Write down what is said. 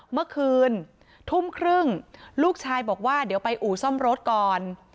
เมื่อคืนทุ่มครึ่งลูกชายบอกว่าเดี๋ยวไปอู่ซ่อมรถก่อน